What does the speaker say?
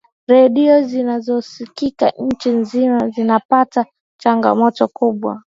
redio zinazosikika nchi nzima zinapata changamoto kubwa